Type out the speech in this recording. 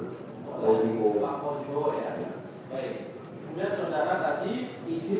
kemudian saudara tadi isi pelaksanaan reklama ini